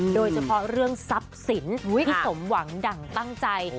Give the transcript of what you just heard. โดยเฉพาะเรื่องทรัพย์สินที่สมหวังดั่งตั้งใจ